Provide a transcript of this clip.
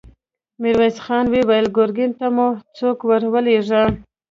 ميرويس خان وويل: ګرګين ته مو څوک ور ولېږه؟